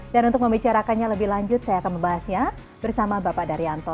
dan untuk membicarakannya lebih lanjut saya akan membahasnya bersama bapak daryanto